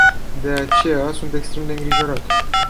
De aceea sunt extrem de îngrijorat.